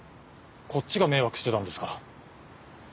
こっちが迷惑してたんですから。